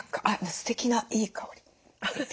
すてきないい香り。